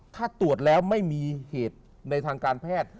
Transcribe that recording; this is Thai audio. ถ้าตรวจแล้วไม่มีเหตุในทางการแพทย์